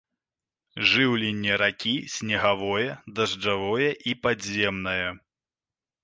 Жыўленне ракі снегавое, дажджавое і падземнае.